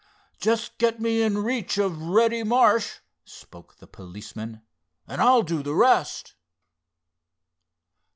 "Just get me in reach of Reddy Marsh," spoke the policeman, "and I'll do the rest."